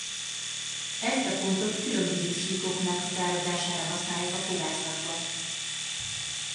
Ezt a pontot különböző síkok meghatározására használják a fogászatban.